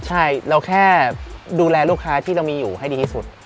ใช่เราแค่ดูแลลูกค้าที่เรามีอยู่ให้ดีที่สุด